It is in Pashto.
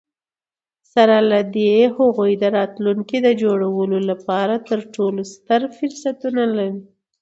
سره له دي، هغوی د راتلونکي د جوړولو لپاره تر ټولو ستر فرصتونه لري.